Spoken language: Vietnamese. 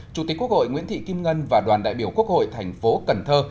chủ tịch quốc hội nguyễn thị kim ngân và đoàn đại biểu quốc hội thành phố cần thơ